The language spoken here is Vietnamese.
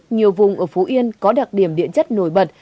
nhiều vùng ở phú yên có đặc điểm địa chất nổi bật